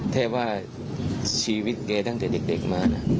แทบว่าชีวิตแกตั้งแต่เด็กมานะ